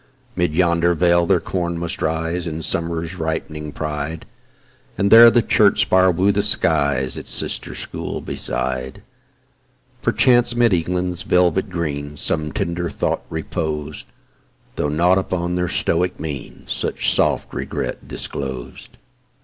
'Mid yonder vale their corn must rise In Summer's ripening pride, And there the church spire woo the skies Its sister school beside. Perchance 'mid England's velvet green Some tender thought repos'd, Though nought upon their stoic mien Such soft regret disclos'd.